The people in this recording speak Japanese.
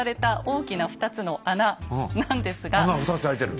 穴２つ開いてる。